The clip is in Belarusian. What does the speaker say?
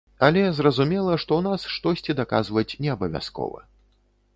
Але зразумела, што ў нас штосьці даказваць не абавязкова.